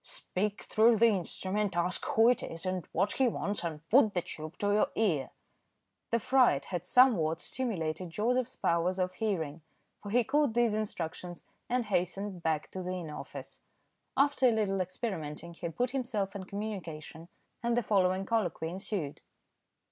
"Speak through the instrument, ask who it is, and what he wants, and put the tube to your ear." The fright had somewhat stimulated Joseph's powers of hearing, for he caught these instructions and hastened back to the inner office. After a little experimenting he put himself in communication, and the following colloquy ensued.